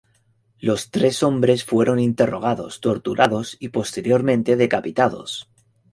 Los tres hombres fueron interrogados, torturados y posteriormente decapitados.